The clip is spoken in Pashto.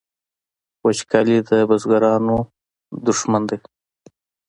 وچکالي د بزګرانو دښمن ده